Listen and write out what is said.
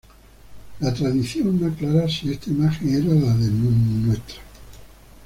La tradición no aclara si esta imagen era la de Ntra.